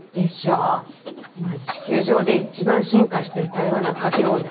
今地球上で一番進化してる食べ物はかき氷だから。